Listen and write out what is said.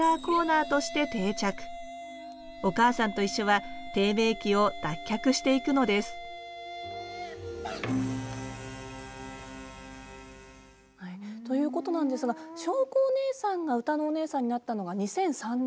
「おかあさんといっしょ」は低迷期を脱却していくのですはいということなんですがしょうこお姉さんが歌のお姉さんになったのが２００３年。